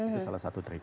itu salah satu trik